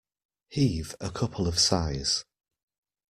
Heave a couple of sighs.